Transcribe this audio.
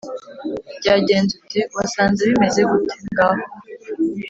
“byagenze ute? wasanze bimeze gute? ngaho